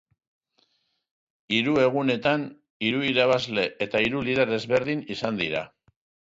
Hiru egunetan hiru irabazle eta hiru lider ezberdin izan dira.